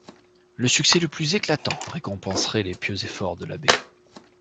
Le succès le plus éclatant récompenserait les pieux efforts de l'abbé.